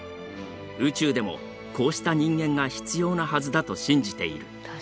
宇宙でもこうした人間が必要なはずだと信じている。